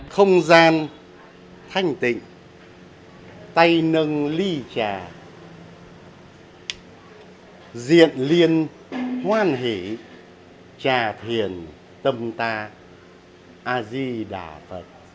không gian thanh tịnh tay nâng ly trà diện liên hoan hỷ trà thiền tâm ta a di đà phật